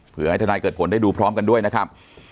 เพื่อให้ทนายเกิดผลได้ดูพร้อมกันด้วยนะครับ